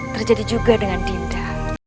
terjadi juga dengan dinda